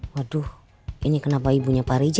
waduh ini kenapa ibunya pak reja